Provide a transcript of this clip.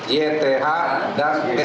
yth dan sgew